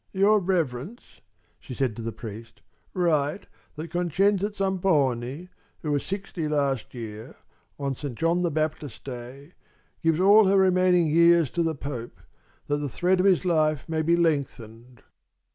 "Your Reverence!" she said to the priest, "write that Concenza Zamponi, who was sixty last year, on Saint John the Baptist's Day, gives all her remaining years to the Pope, that the thread of his life may be lengthened!"